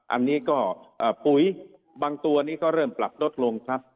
อันนี้ก็ปุ๋ยบางตัวนี้ก็เริ่มปรับลดลงครับ